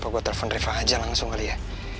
apa gue telepon reva aja langsung kali ya